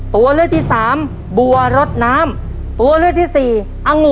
ตัวเลือกที่สามบัวรดน้ำตัวเลือกที่สี่องุ